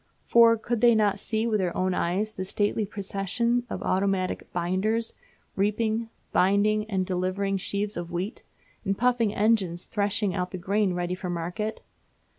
For could they not see with their own eyes the stately procession of automatic "binders" reaping, binding, and delivering sheaves of wheat, and puffing engines threshing out the grain ready for market?